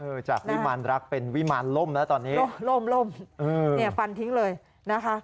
เออจากวิมารรักเป็นวิมารลมแล้วตอนนี้ลมนี่ฟันทิ้งเลยนะคะ